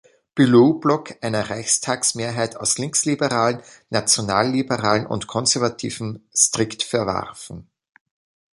Bülow-Block, einer Reichstagsmehrheit aus Linksliberalen, Nationalliberalen und Konservativen, strikt verwarfen.